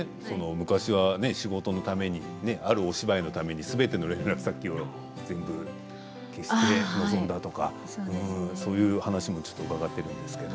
昔は仕事のためにあるお芝居のためにすべての連絡先を消して臨んだとかそういう話も伺っているんですけど